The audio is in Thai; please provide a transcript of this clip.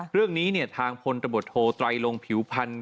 เรื่องนี้ทางพลตบทโทไตรลงผิวพันธ์